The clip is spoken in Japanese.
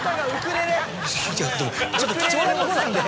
いやでもちょっと貴重なものなんで。